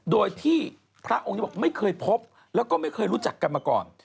โดยที่พระองค์นี้บอกไม่เคยพบแล้วก็ไม่เคยรู้จักกันมาก่อน